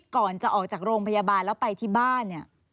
ก่อนจะออกจากโรงพยาบาลแล้วไปที่บ้านเนี่ย